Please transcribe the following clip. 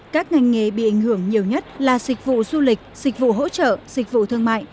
các ngành nghề bị ảnh hưởng nhiều nhất là dịch vụ du lịch dịch vụ hỗ trợ dịch vụ thương mại